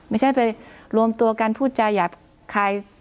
ไม่ใช่ไปรวมตัวกันพูดจาหยาบคาย